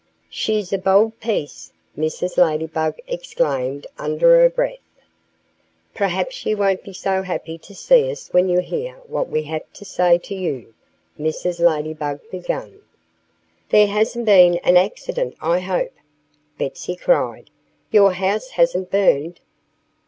"She's a bold piece!" Mrs. Ladybug exclaimed, under her breath. "Perhaps you won't be so happy to see us when you hear what we have to say to you," Mrs. Ladybug began. "There hasn't been an accident, I hope!" Betsy cried. "Your house hasn't burned?"